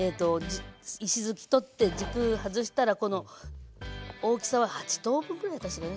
石づき取って軸外したら大きさは８等分ぐらいかしらね。